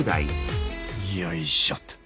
よいしょっと。